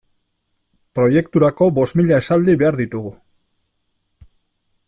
Proiekturako bost mila esaldi behar ditugu.